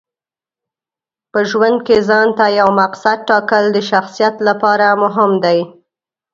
په ژوند کې ځانته یو مقصد ټاکل د شخصیت لپاره مهم دي.